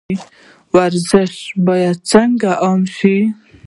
ورزش باید څنګه عام شي؟